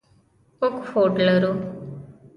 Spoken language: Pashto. موږ هوډ لرو.